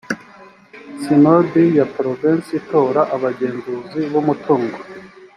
sinodi ya porovensi itora abagenzuzi b umutungo